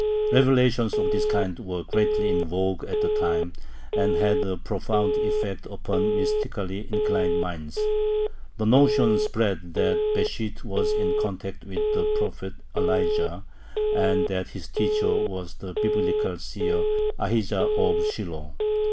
Revelations of this kind were greatly in vogue at the time, and had a profound effect upon mystically inclined minds. The notion spread that Besht was in contact with the prophet Elijah, and that his "teacher" was the Biblical seer Ahijah of Shilo.